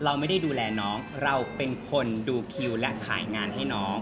เราไม่ได้ดูแลน้องเราเป็นคนดูคิวและขายงานให้น้อง